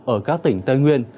ở các tỉnh tây nguyên